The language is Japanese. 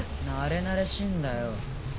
なれなれしいんだよ。